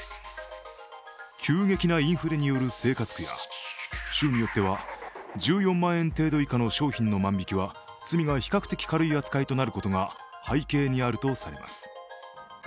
急激なインフレによる生活苦や州によっては１４万円程度以下の商品の万引きは罪が比較的軽い扱いとなることが背景にあるとされます。